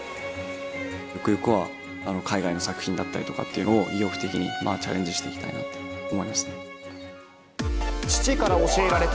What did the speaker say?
ゆくゆくは、海外の作品だったりっていうのを、意欲的にチャレンジしていきたいなと思いました。